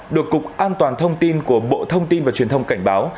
được cục an toàn thông tin của bộ thông tin và truyền thông cảnh báo